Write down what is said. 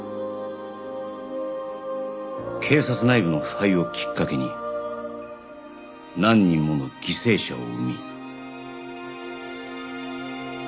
警察内部の腐敗をきっかけに何人もの犠牲者を生み